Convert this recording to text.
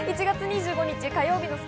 １月２５日。